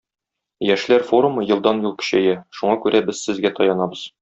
Яшьләр форумы елдан-ел көчәя, шуңа күрә без сезгә таянабыз.